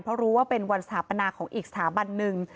เพราะรู้ว่าเป็นวันสถาปนาของอีกสถาบันหนึ่ง